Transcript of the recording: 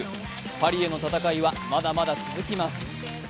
パリへの戦いはまだまだ続きます。